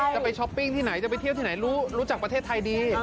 จะไปช้อปปิ้งที่ไหนจะไปเที่ยวที่ไหนรู้รู้จักประเทศไทยดี